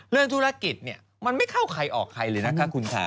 เรื่องธุรกิจเนี่ยมันไม่เข้าใครออกใครเลยนะคะคุณค่ะ